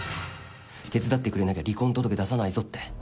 手伝ってくれなきゃ離婚届出さないぞって。